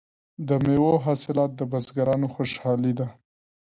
د میوو حاصلات د بزګرانو خوشحالي ده.